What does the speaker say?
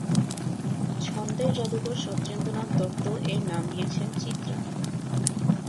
ছন্দের জাদুকর সত্যেন্দ্রনাথ দত্ত এর নাম দিয়েছেন ‘চিত্রা’।